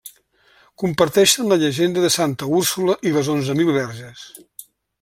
Comparteixen la llegenda de Santa Úrsula i les Onze Mil Verges.